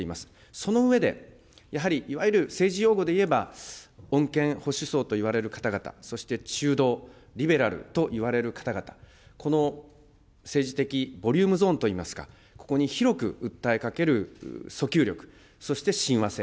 その上で、やはりいわゆる政治用語でいえば、穏健、保守層といわれる方々、そして中道、リベラルといわれる方々、この政治的ボリュームゾーンといいますか、ここに広く訴えかける訴求力、そして親和性。